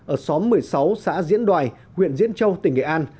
ở xóm một mươi sáu xã diễn đoài huyện diễn châu tỉnh nghệ an